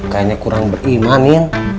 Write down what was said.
kayaknya kurang beriman min